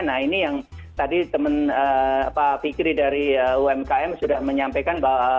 nah ini yang tadi teman pak fikri dari umkm sudah menyampaikan bahwa